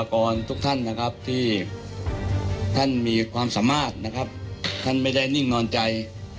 ต้องขอขอบคุณบุคลากรทุกท่านที่ท่านมีความสามารถท่านไม่ได้นิ่งนอนใจ